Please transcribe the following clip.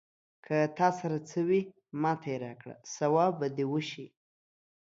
که تا سره څه وي، ماته يې راکړه ثواب به دې وشي.